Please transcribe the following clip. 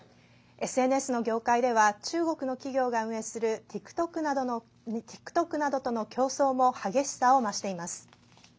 ＳＮＳの業界では中国の企業が運営するＴｉｋＴｏｋなどとの競争も激しさを増しています。